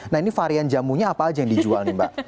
nah ini varian jamunya apa aja yang dijual nih mbak